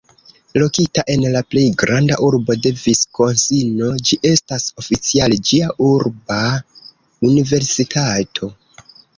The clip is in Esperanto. Lokita en la plej granda urbo de Viskonsino, ĝi estas oficiale ĝia "urba universitato".